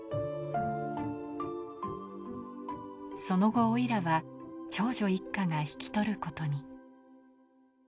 その後、オイラは長女一家が引き取ることに。